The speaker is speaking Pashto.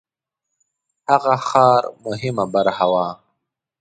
هغه ښار مهمه برخه وه.